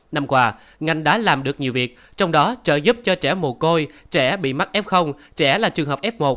năm qua ngành đã làm được nhiều việc trong đó trợ giúp cho trẻ mồ côi trẻ bị mắc f trẻ là trường hợp f một